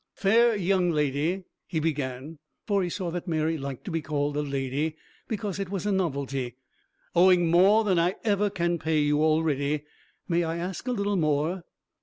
"Fair young lady," he began, for he saw that Mary liked to be called a lady, because it was a novelty, "owing more than I ever can pay you already, may I ask a little more?